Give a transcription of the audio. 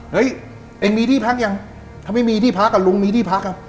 เฮ้ยเองมีที่พักยังถ้าไม่มีที่พักอ่ะลุงมีที่พักอ่ะ